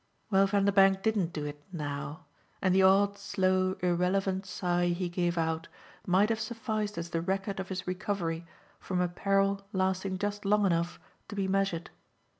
Well, Vanderbank didn't do it "now," and the odd slow irrelevant sigh he gave out might have sufficed as the record of his recovery from a peril lasting just long enough to be measured.